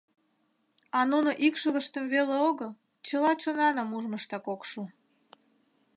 — А нуно икшывыштым веле огыл, чыла чонаным ужмыштак ок шу.